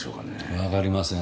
わかりません。